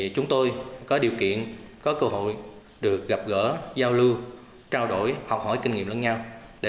chúng tôi có điều kiện có cơ hội được gặp gỡ giao lưu trao đổi học hỏi kinh nghiệm lẫn nhau